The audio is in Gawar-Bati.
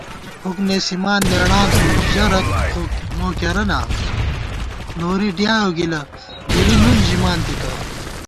فُک نېسِمان نېڑاں تُو ژَہ رت خو مو کېرَہ نا نوری ڈیائیؤ گِلہ گِری نُن ژِمان تِتہ